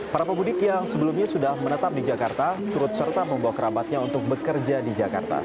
para pemudik yang sebelumnya sudah menetap di jakarta turut serta membawa kerabatnya untuk bekerja di jakarta